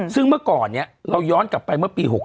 ซึ่งเมื่อก่อนนี้เราย้อนกลับไปเมื่อปี๖๕